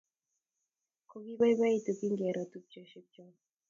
Kogipoipoitu kingero tupchosyek chok